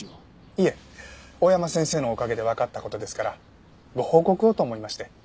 いえ大山先生のおかげでわかった事ですからご報告をと思いまして。